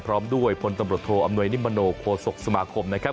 พร้อมด้วยพลตำรวจโทอำนวยนิมโนโคศกสมาคมนะครับ